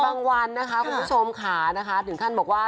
บางวันนะคะคุณผู้ชมค่ะถึงท่านบอกว่า